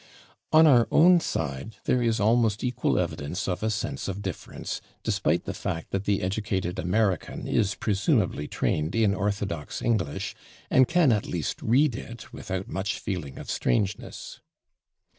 " On our own side there is almost equal evidence of a sense of difference, despite the fact that the educated American is presumably trained in orthodox English, and can at least read it without much feeling of strangeness.